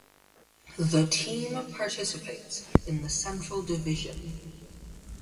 The team participates in the Central Division.